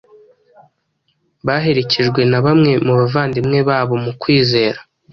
baherekejwe na bamwe mu bavandimwe babo mu kwizera